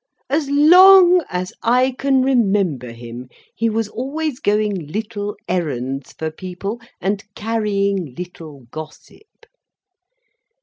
As long as I can remember him he was always going little errands for people, and carrying little gossip.